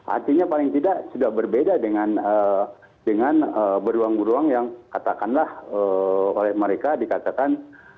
artinya paling tidak sudah berbeda dengan beruang beruang yang katakanlah oleh mereka dikatakan